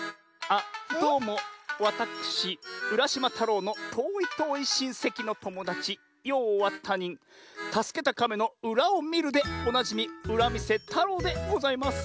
あっどうもわたくしうらしまたろうのとおいとおいしんせきのともだちようはたにんたすけたかめのうらをみるでおなじみうらみせたろうでございます。